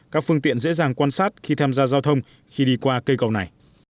các phương tiện dễ dàng quan sát khi tham gia giao thông khi đi qua cây cầu này